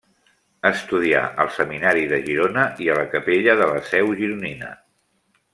Estudià al Seminari de Girona i a la Capella de la Seu Gironina.